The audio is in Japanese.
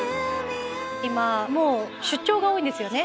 今もう出張が多いんですよね。